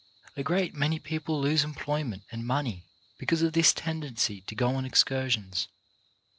A great many people lose employ ment and money because of this tendency to go on excursions.